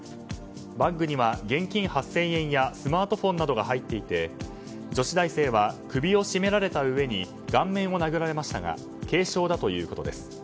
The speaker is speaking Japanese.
バッグには現金８０００円やスマートフォンなどが入っていて女子大生は首を絞められたうえに顔面を殴られましたが軽傷だということです。